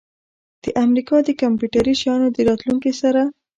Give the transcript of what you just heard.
د امریکا د کمپیوټري شیانو د راتلونکي سره